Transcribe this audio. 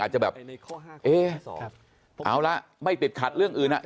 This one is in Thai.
จะแบบเอ๊ะเอาละไม่ติดขัดเรื่องอื่น